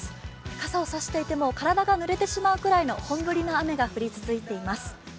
傘を差していても体がぬれてしまうぐらいの本降りの雨が降り続いています。